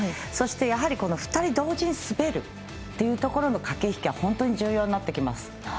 そして、やはり２人同時に滑るというところの駆け引きは本当に重要になってきます。